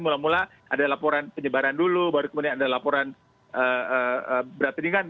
mula mula ada laporan penyebaran dulu baru kemudian ada laporan berat ringan